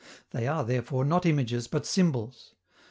They are, therefore, not images, but symbols.